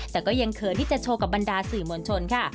แต่ก็ยังเคยที่จะโชว์กับบรรดาสื่อมวลชนค่ะ